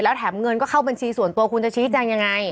แถมเงินก็เข้าบัญชีส่วนตัวคุณจะชี้แจงยังไง